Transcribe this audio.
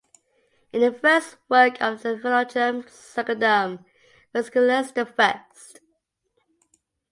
In the first work of the "Florilegium Secundum", Fasciculus the First.